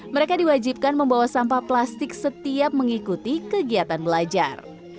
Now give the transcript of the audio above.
menunjukkan membawa sampah plastik setiap mengikuti kegiatan belajar